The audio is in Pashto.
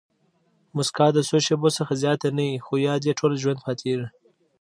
مسکا د څو شېبو څخه زیاته نه يي؛ خو یاد ئې ټوله ژوند پاتېږي.